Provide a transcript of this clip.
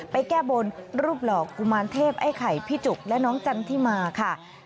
แก้บนรูปหล่อกุมารเทพไอ้ไข่พี่จุกและน้องจันทิมาค่ะ